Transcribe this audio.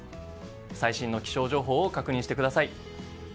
最新の気象情報を確認してください。